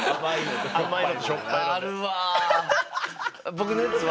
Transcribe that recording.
僕のやつは。